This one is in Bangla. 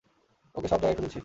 ওকে সব জায়গায় খুঁজেছি!